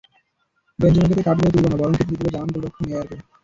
বেনজেমাকে তাই কাঠগড়ায় তুলব না, বরং কৃতিত্ব দেব জার্মান গোলরক্ষক নয়্যারকে।